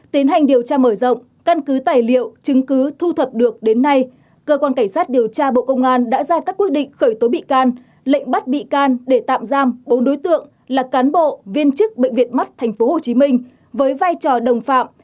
tiến hành điều tra mở rộng căn cứ tài liệu chứng cứ thu thập được đến nay cơ quan cảnh sát điều tra bộ công an đã ra các quyết định khởi tố bị can lệnh bắt bị can để tạm giam bốn đối tượng là cán bộ viên chức bệnh viện mắt tp hcm với vai trò đồng phạm